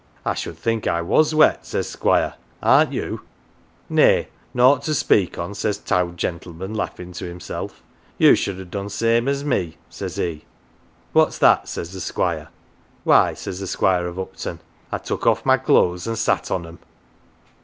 "' I should think I was wet,' says Squire. ' Aren't you ?'"' Nay, nought to speak on,' says t'owd gentleman laughin' to himsel'. ' Ye should ha' done same as me,' says he. "' What's that ?' says the Squire. "'Why,' says Squire of Upton. 'I took off my clothes an' sat on 'em.'